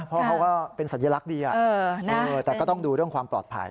เพราะเขาก็เป็นสัญลักษณ์ดีแต่ก็ต้องดูเรื่องความปลอดภัย